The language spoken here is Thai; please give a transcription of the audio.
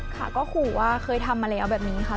ค่ะก็ขู่ว่าเคยทำมาแล้วแบบนี้ค่ะ